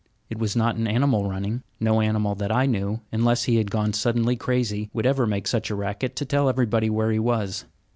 It was not an animal running. No animal that I knew, unless he had gone suddenly crazy, would ever make such a racket to tell everybody where he was.